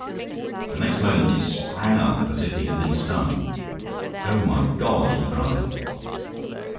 The next moment he sprang up as if he had been stung. "Oh, my God!" he cried.